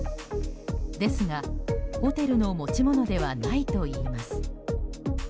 ですが、ホテルの持ち物ではないといいます。